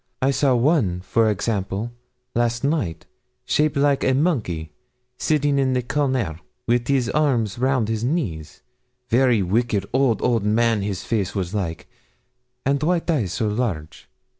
I saw one, for example, last night, shape like a monkey, sitting in the corner, with his arms round his knees; very wicked, old, old man his face was like, and white eyes so large.'